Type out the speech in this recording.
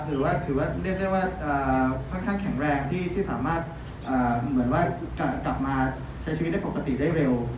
ถือว่าเรียกได้ว่าค่อนข้างแข็งแรงที่สามารถเหมือนว่ากลับมาใช้ชีวิตได้ปกติได้เร็ว